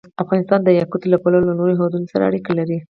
افغانستان د یاقوت له پلوه له نورو هېوادونو سره اړیکې لري.